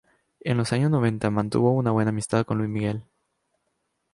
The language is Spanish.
En los años noventa mantuvo una buena amistad con Luis Miguel.